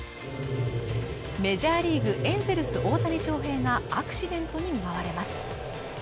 メジャーリーグエンゼルス大谷翔平がアクシデントに見舞われます